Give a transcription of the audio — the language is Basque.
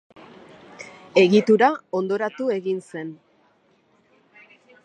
Egitura hondoratu egin zen.